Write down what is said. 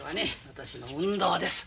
私の運動です。